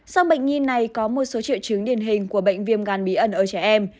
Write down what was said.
sau bệnh nhi này có một số triệu chứng điển hình của bệnh viêm gan bí ẩn ở trẻ em